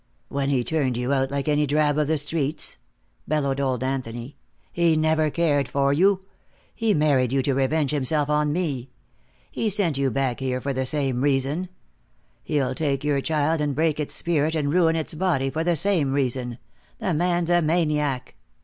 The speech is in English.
"When he turned you out, like any drab of the streets!" bellowed old Anthony. "He never cared for you. He married you to revenge himself on me. He sent you back here for the same reason. He'll take your child, and break its spirit and ruin its body, for the same reason. The man's a maniac."